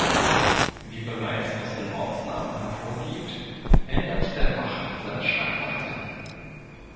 Wie bereits aus den Ortsnamen hervorgeht, ändert der Bach seine Schreibweise.